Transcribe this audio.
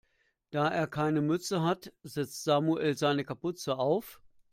Da er keine Mütze hat, setzt Samuel seine Kapuze auf.